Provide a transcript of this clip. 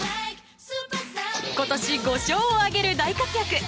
今年、５勝を挙げる大活躍。